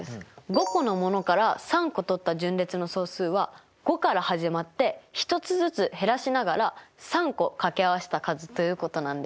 ５個のものから３個とった順列の総数は５から始まって１つずつ減らしながら３個かけ合わせた数ということなんです。